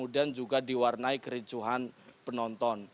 diwarnai kericuan penonton